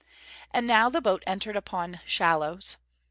And now the boat entered upon shallows.